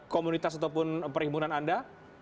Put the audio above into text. komunitas ataupun perhimpunan anda